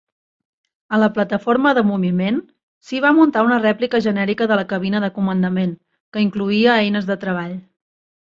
A la plataforma de moviment s'hi va muntar una rèplica genèrica de la cabina de comandament que incloïa eines de treball.